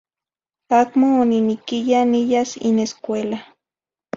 Acmo oniniquiya niyas in escuela